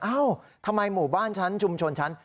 เอ้าทำไมหมู่บ้านฉันชุมชนฉัน